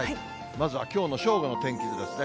まずはきょうの正午の天気図ですね。